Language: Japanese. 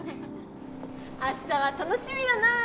明日は楽しみだな！